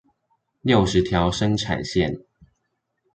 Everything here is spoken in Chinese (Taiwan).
六十條生產線